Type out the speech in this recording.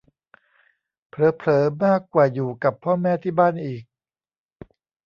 เผลอเผลอมากกว่าอยู่กับพ่อแม่ที่บ้านอีก